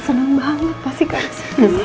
seneng banget pasti kakak seneng